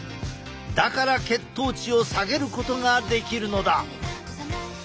だから血糖値を下げることができるのだ。